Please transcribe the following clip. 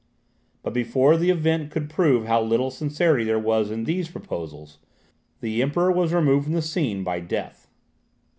But before the event could prove how little sincerity there was in these proposals, the Emperor was removed from the scene by death.